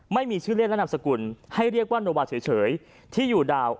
ไม่มีชื่อเล่นและนามสกุลให้เรียกว่าโนวาเฉยที่อยู่ดาว